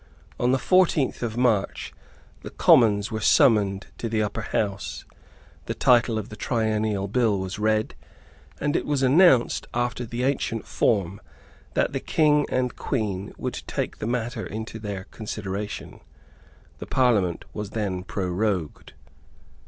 On the fourteenth of March the Commons were summoned to the Upper House; the title of the Triennial Bill was read; and it was announced, after the ancient form, that the King and Queen would take the matter into their consideration. The Parliament was then prorogued.